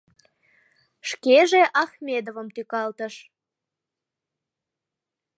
Шкеже Ахмедовым тӱкалтыш.